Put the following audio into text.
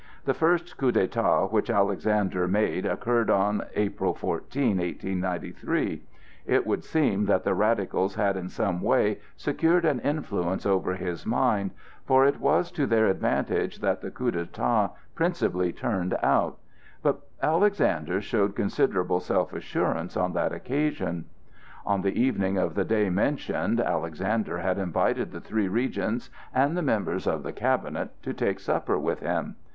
The first coup d'état which Alexander made occurred on April 14, 1893. It would seem that the radicals had in some way secured an influence over his mind, for it was to their advantage that the coup d'état principally turned out. But Alexander showed considerable self assurance on that occasion. On the evening of the day mentioned Alexander had invited the three regents and the members of the cabinet to take supper with him.